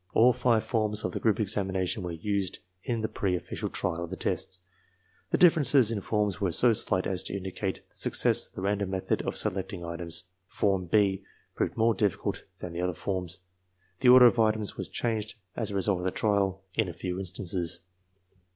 All five forms of the group examination were used in the pre official trial of the tests. The differences in forms were so slight as to indicate the success of the random method of selecting items. Form B proved more difficult than the other forms. The order of items was changed, as a result of the trial, in a few instances.